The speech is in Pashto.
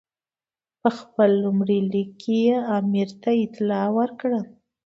په خپل لومړي لیک کې یې امیر ته اطلاع ورکړه.